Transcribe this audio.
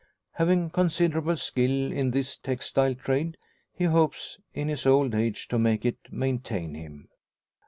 Having considerable skill in this textile trade, he hopes in his old age to make it maintain him.